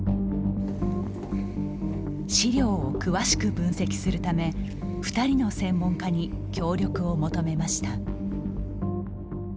資料を詳しく分析するため二人の専門家に協力を求めました。